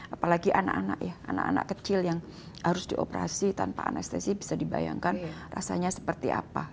apalagi anak anak ya anak anak kecil yang harus dioperasi tanpa anestesi bisa dibayangkan rasanya seperti apa